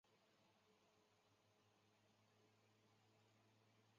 斯威格是一个位于美国阿拉巴马州兰道夫县的非建制地区。